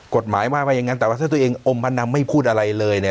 กฎหมายว่าอย่างนั้นแต่ว่าถ้าตัวเองอมพนัมไม่พูดอะไรเลยเนี่ย